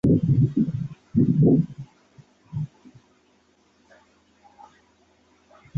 এই বিখ্যাত লামার ভ্রাতুষ্পুত্র হওয়ার কারণে তাকে দ্বোন-পো বা ভ্রাতুষ্পুত্র বলা হত।